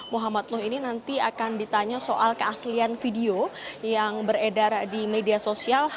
muhammad nuh ini nanti akan ditanya soal keaslian video yang beredar di media sosial